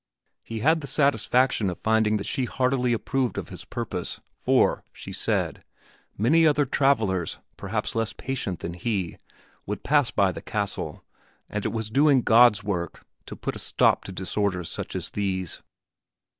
He had the satisfaction of finding that she heartily approved his purpose, for, she said, many other travelers, perhaps less patient than he, would pass by the castle, and it was doing God's work to put a stop to disorders such as these.